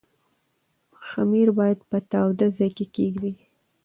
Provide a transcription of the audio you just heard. خمیر باید په تاوده ځای کې کېږدئ.